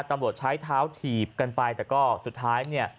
ตำรวจใช้เท้าถีบกันไปแต่ก็สุดท้ายเนี่ย